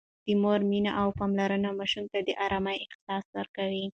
د مور مینه او پاملرنه ماشومانو ته د آرام احساس ورکوي.